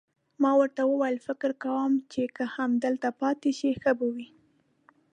ما ورته وویل: فکر کوم چې که همدلته پاتې شئ، ښه به وي.